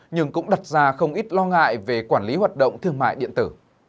nhưng cũng đặt ra không ít lo ngại về quản lý hoạt động thương mại điện tử